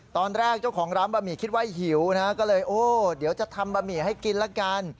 ตอนแรกเจ้าของร้านบะหมี่คิดว่าหิวนะฮะก็เลยโอ้เดี๋ยวจะทำบะหมี่ให้กินละกัน